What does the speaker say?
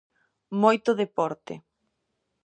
Moito deporte.